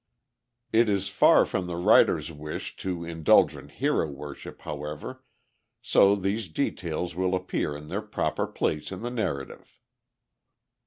It is far from the writer's wish to indulge in hero worship, however, so these details will appear in their proper place in the narrative.